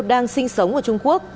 đang sinh sống ở trung quốc